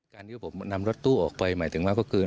การที่ผมนำรถตู้ออกไปหมายถึงว่าก็คือ